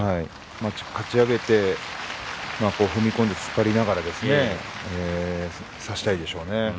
かち上げて踏み込んで強く突っ張りながら差したいでしょうね。